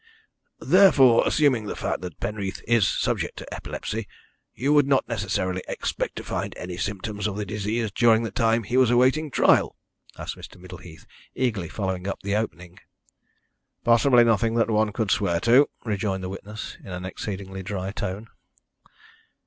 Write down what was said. "Therefore, assuming the fact that Penreath is subject to epilepsy, you would not necessarily expect to find any symptoms of the disease during the time he was awaiting trial?" asked Mr. Middleheath, eagerly following up the opening. "Possibly nothing that one could swear to," rejoined the witness, in an exceedingly dry tone.